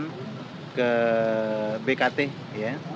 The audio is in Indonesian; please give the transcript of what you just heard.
dibuat sodetan ke bkt ya